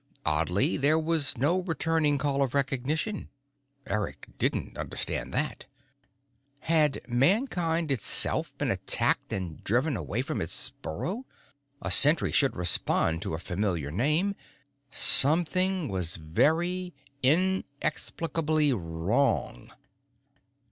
Oddly, there was no returning call of recognition. Eric didn't understand that. Had Mankind itself been attacked and driven away from its burrow? A sentry should respond to a familiar name. Something was very, inexplicably wrong.